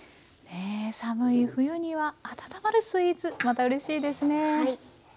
寒い冬には温まるスイーツまたうれしいですね。